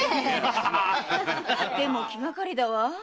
でも気がかりだわ。